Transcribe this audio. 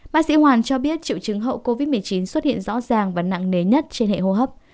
bác sĩ hoàn cho biết triệu chứng hậu covid một mươi chín xuất hiện rõ ràng và nặng nề nhất trên hệ hô hấp